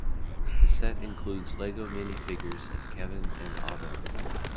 The set included Lego minifigures of Kevin and Otto.